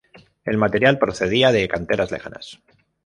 El material procedía de canteras lejanas.